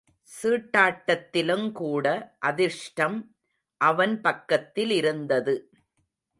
சீட்டாட்டத்திலுங்கூட அதிர்ஷ்டம் அவன் பக்கத்திலிருந்தது.